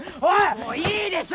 もういいでしょ！